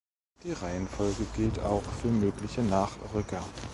Die Reihenfolge gilt auch für mögliche Nachrücker.